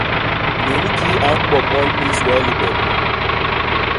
Nunki kii a mbomol mis wee libem.